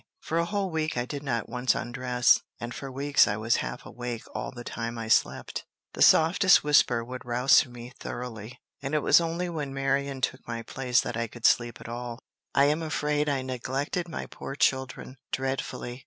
For a whole week I did not once undress, and for weeks I was half awake all the time I slept. The softest whisper would rouse me thoroughly; and it was only when Marion took my place that I could sleep at all. I am afraid I neglected my poor children dreadfully.